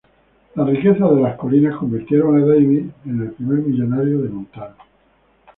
Las riquezas de las colinas convirtieron a Davis en el primer millonario de Montana.